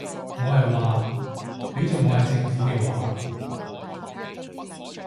我係話，畀在我係政府嘅話